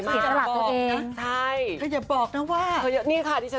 ที่หมดฉันก็เปิดให้อีก